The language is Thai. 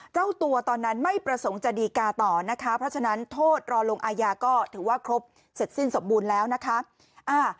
เจ้าตัวตอนนั้นไม่ประสงค์จะดีกาต่อนะคะเพราะฉะนั้นโทษรอลงอาญาก็ถือว่าครบเสร็จสิ้นสมบูรณ์แล้วนะคะ